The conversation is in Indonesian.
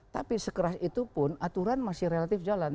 tapi sekeras itu pun aturan masih relatif jalan